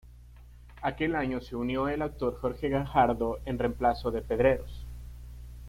Aquel año se unió el actor Jorge Gajardo en reemplazo de Pedreros.